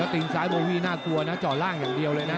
ตีนซ้ายโบวี่น่ากลัวนะจ่อล่างอย่างเดียวเลยนะ